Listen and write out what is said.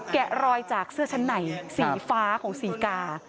แกะรอยจากเสื้อชั้นในสีฟ้าของศรีกา